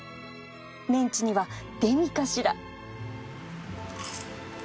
メンチにはデミかしら